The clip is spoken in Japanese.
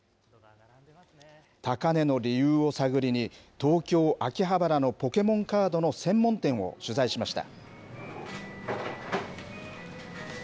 高値の理由を探りに、東京・秋葉原のポケモンカードの専門店を取材しました。